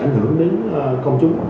ảnh hưởng đến công chúng